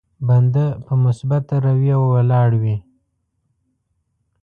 بنده په مثبته رويه ولاړ وي.